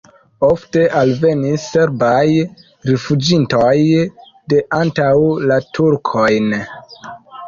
Ofte alvenis serbaj rifuĝintoj de antaŭ la turkojn.